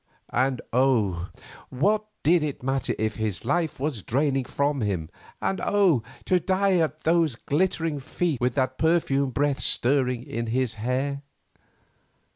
And oh! what did it matter if his life was draining from him, and oh! to die at those glittering feet, with that perfumed breath stirring in his hair!